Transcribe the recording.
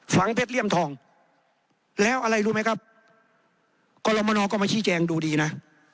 เพชรเลี่ยมทองแล้วอะไรรู้ไหมครับกรมนก็มาชี้แจงดูดีนะ